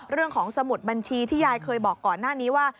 เรื่องของสมุดบัญชีที่ยายเคยบอกก่อนหน้านี้ว่า